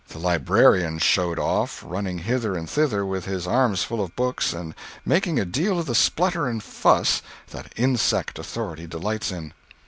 The librarian "showed off"—running hither and thither with his arms full of books and making a deal of the splutter and fuss that insect authority delights in.